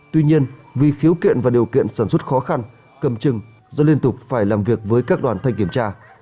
tuy nhiên vì khiếu kiện và điều kiện sản xuất khó khăn cầm chừng do liên tục phải làm việc với các đoàn thanh kiểm tra